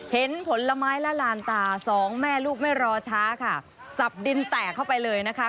ผลไม้ละลานตาสองแม่ลูกไม่รอช้าค่ะสับดินแตกเข้าไปเลยนะคะ